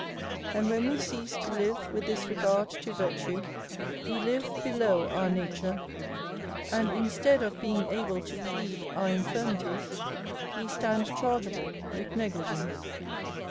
And when we cease to live with this regard to virtue, we live below our nature, and instead of being able to plead our infirmities, we stand chargeable with negli gence.